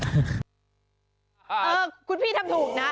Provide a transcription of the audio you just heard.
เออคุณพี่ทำถูกนะ